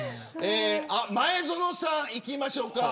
前園さんいきましょうか。